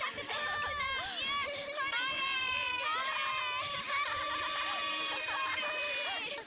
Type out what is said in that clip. aku bisa mengenalai kisahmu